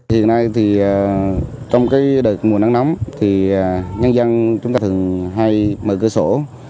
hiện nay thì trong cái đợt mùa nắng nóng thì nhân dân chúng ta thường hay mở cửa sổ